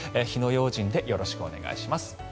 火の用心でよろしくお願いします。